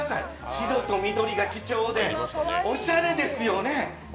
白と緑が基調で、おしゃれですよね。